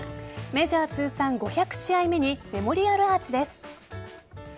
メジャー通算５００試合目にメモリアルアーチです。